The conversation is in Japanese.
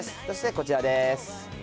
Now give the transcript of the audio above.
そしてこちらです。